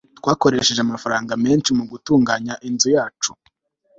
twakoresheje amafaranga menshi mugutunganya inzu yacu